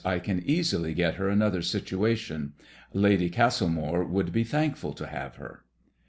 I can easily get her another situation. Lady Castlemore would be thankful to have her."